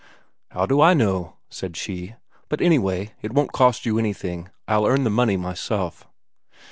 "How do I know?" said she. "But, anyway, it won't cost you anything. I'll earn the money myself."